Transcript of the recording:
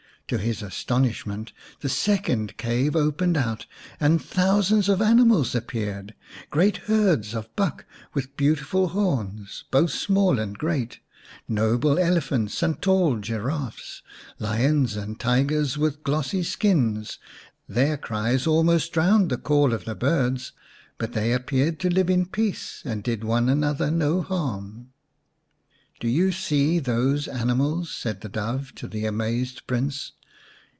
To his astonish ment the second cave opened out and thousands of animals appeared great herds of buck with beautiful horns, both small and great, noble elephants and tall giraffes, and lions and tigers with glossy skins. Their cries almost drowned the call of the birds, but they appeared to live in peace and did one another no harm. " Do you see those animals ?" said the Dove to the amazed Prince.